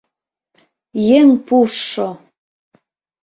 Еҥ пуштшо!